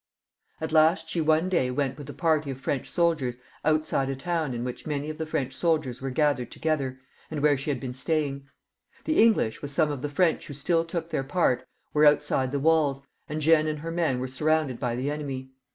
At last she one day went with a party of French soldiers outside a town in 206 CHARLES VII. [CH. which many of the French soldiers were gathered together, and where she had been staying. The English, with some of the French who still took their part, were outside the walls, and Jeanne and her men were surrounded by the enemy.